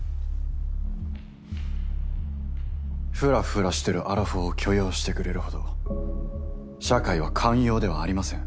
ふらふらしてるアラフォーを許容してくれるほど社会は寛容ではありません。